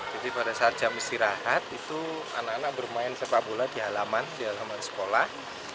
jadi pada saat jam istirahat itu anak anak bermain sepak bola di halaman di halaman sekolah